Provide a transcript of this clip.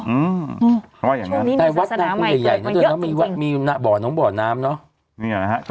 อู้วช่วงนี้มีศาสนาใหม่เกินไปเยอะจริงมีหน้าบ่อนน้องบ่อนน้ำเนอะ